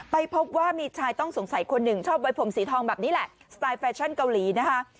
พบว่ามีชายต้องสงสัยคนหนึ่งชอบไว้ผมสีทองแบบนี้แหละสไตล์แฟชั่นเกาหลีนะคะ